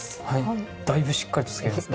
だいぶしっかりとつけますね。